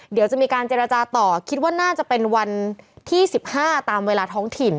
เดี๋ยวจะมีการเจรจาต่อคิดว่าน่าจะเป็นวันที่๑๕ตามเวลาท้องถิ่น